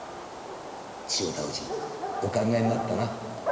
「千代田氏お考えになったな。